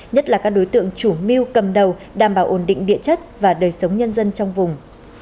nhất là các đối tượng chủ mưu cầm đầu đảm bảo ổn định địa chất và đời sống nhân dân trong vùng